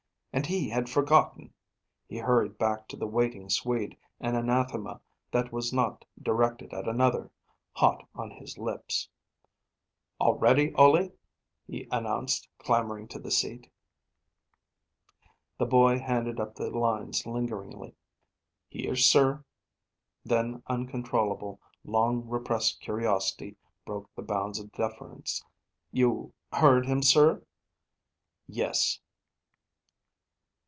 And he had forgotten! He hurried back to the waiting Swede, an anathema that was not directed at another, hot on his lips. "All ready, Ole," he announced, clambering to the seat. The boy handed up the lines lingeringly. "Here, sir." Then uncontrollable, long repressed curiosity broke the bounds of deference. "You heard him, sir?" "Yes."